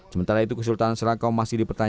sementara itu kesultanan serakau masih diperhatikan